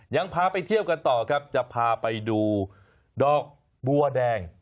ยังพาไปเที่ยวกันต่อครับจะพาไปดูดอกบัวแดง